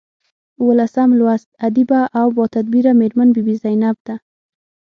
اوولسم لوست ادیبه او باتدبیره میرمن بي بي زینب ده.